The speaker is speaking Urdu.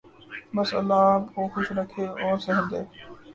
بس اللہ آپ کو خوش رکھے اور صحت دے۔